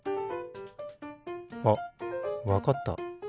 あっわかった。